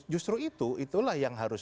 justru itu itulah yang harus